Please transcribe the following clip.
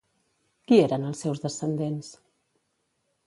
Qui eren els seus descendents?